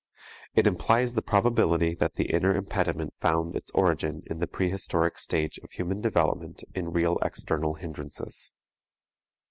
It implies the probability that the inner impediment found its origin in the prehistoric stage of human development in real external hindrances.